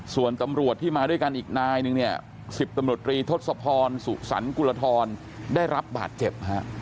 ส่วนตำรวจที่มาด้วยกันอีกนายนึงเนี่ย๑๐ตำรวจรีทศพรสุสันกุลธรได้รับบาดเจ็บฮะ